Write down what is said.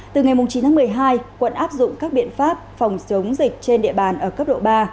từ ngày chín tháng một mươi hai quận áp dụng các biện pháp phòng chống dịch trên địa bàn ở cấp độ ba